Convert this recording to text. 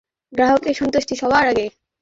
গ্রাহকের সন্তুষ্টি সবার আগে।